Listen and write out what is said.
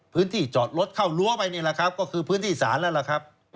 พื้นที่จอดรถเข้ารั้วไปนี่แหละครับก็คือพื้นที่ศาลนั่นแหละครับ